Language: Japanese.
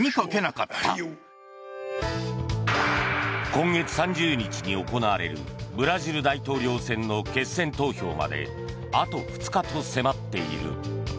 今月３０日に行われるブラジル大統領選の決選投票まであと２日と迫っている。